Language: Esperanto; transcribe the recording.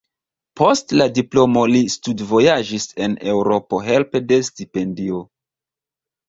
Post la diplomo li studvojaĝis en Eŭropo helpe de stipendio.